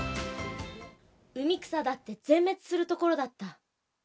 海草だって全滅するところだった。